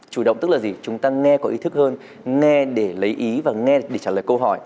chủ động tức là gì chúng ta nghe có ý thức hơn nghe để lấy ý và nghe để trả lời câu hỏi